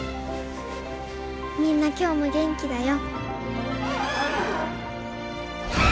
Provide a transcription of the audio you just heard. みんな今日も元気だよ。